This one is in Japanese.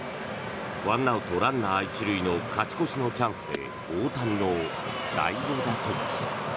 １アウト、ランナー１塁の勝ち越しのチャンスで大谷の第２打席。